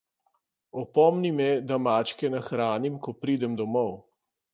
Opomni me, da mačke nahranim, ko pridem domov.